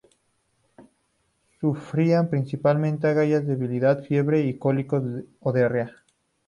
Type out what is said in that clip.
Sufrían principalmente agallas, debilidad, fiebre y cólicos o diarrea.